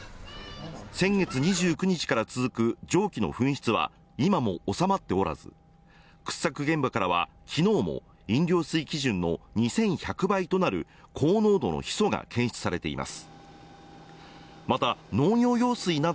先月２９日から続く蒸気の噴出は今も収まっておらず、掘削現場からは、昨日も飲料水基準の２１００倍となる高濃度のヒ素が検出されています。